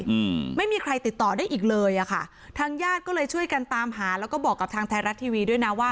อืมไม่มีใครติดต่อได้อีกเลยอ่ะค่ะทางญาติก็เลยช่วยกันตามหาแล้วก็บอกกับทางไทยรัฐทีวีด้วยนะว่า